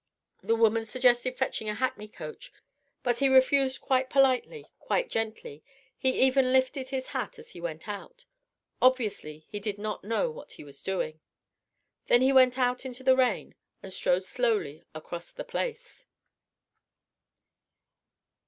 The woman suggested fetching a hackney coach, but he refused quite politely, quite gently: he even lifted his hat as he went out. Obviously he did not know what he was doing. Then he went out into the rain and strode slowly across the Place.